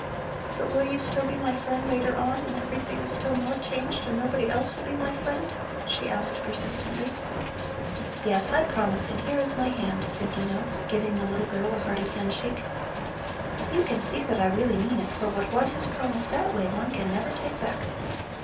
"But will you still be my friend later on, when everything is still more changed and nobody else will be my friend?" she asked persistently. "Yes, I promise; and here is my hand!" said Dino, giving the little girl a hearty handshake. "You can see that I really mean it, for what one has promised that way, one can never take back.